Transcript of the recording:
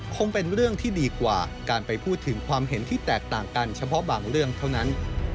คงเป็นเรื่องที่ดีกว่าการไปพูดถึงความเห็นที่แตกต่างกันเฉพาะบางเรื่องเท่านั้น